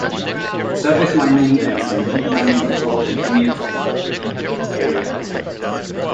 Surface mining and some deep mining of coal continues in the immediate area.